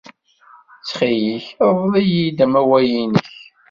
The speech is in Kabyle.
Ttxil-k, rḍel-iyi-d amawal-nnek.